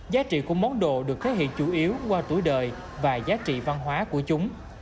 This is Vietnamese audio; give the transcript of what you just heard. giá trị của món đồ được thể hiện chủ yếu qua tuổi đời và giá trị văn hóa của chúng